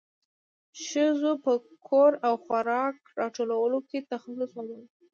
ښځو په کور او خوراک راټولولو کې تخصص وموند.